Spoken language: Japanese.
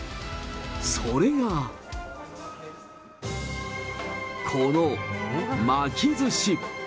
それが、この巻きずし。